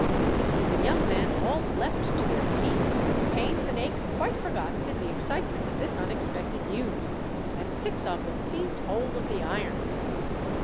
The young men all leapt to their feet, pains and aches quite forgotten in the excitement of this unexpected news, and six of them seized hold of the irons.